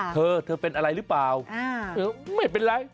เธอเธอเป็นอะไรหรือเปล่าเธอไม่เป็นไร